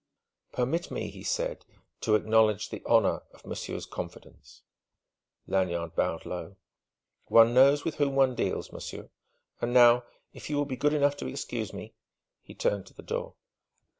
"Permit me," he said, "to acknowledge the honour of monsieur's confidence!" Lanyard bowed low: "One knows with whom one deals, monsieur!... And now, if you will be good enough to excuse me...." He turned to the door.